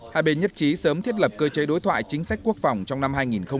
hai bên nhất trí sớm thiết lập cơ chế đối thoại chính sách quốc phòng trong năm hai nghìn hai mươi